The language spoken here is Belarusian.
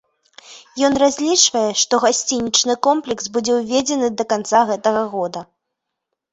Ён разлічвае, што гасцінічны комплекс будзе ўведзены да канца гэтага года.